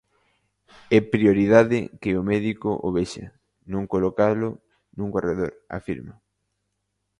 "É prioridade que o médico o vexa, non colocalo nun corredor", afirma.